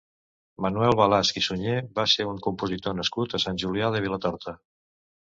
Manuel Balasch i Suñé va ser un compositor nascut a Sant Julià de Vilatorta.